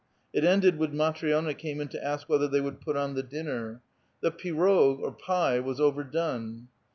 It ended when Matri6na came in to ask whether she would put on the dinner. " 1l\\q pirocj [pie] was overdone."